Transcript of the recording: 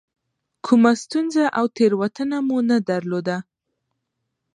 کومه ستونزه او تېروتنه مو نه درلوده.